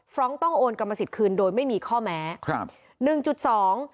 ฟร้องต้องโอนกรรมสิทธิ์คืนโดยไม่มีข้อแมครับ